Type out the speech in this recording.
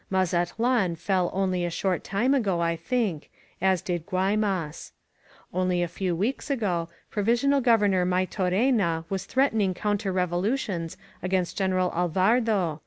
Mazatlan fell only a short time ago, I think ; as did Guaymas. Only a few weeks ago Provisional Governor Maytorena was threatening counter revolutions against Greneral Al vardo.